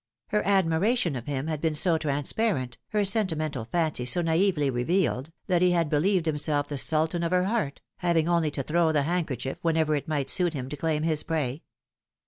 Her admiration of him had been so transparent, her sentimental fancy so naively revealed, that he had believed himself the sultan of her heart, having only to throw the handkerchief whenever it might suit him to claim his prey.